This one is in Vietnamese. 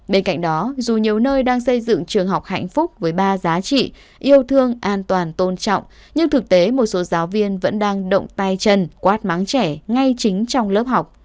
bên cạnh đó dù nhiều nơi đang xây dựng trường học hạnh phúc với ba giá trị yêu thương an toàn tôn trọng nhưng thực tế một số giáo viên vẫn đang động tay chân quát mắng trẻ ngay chính trong lớp học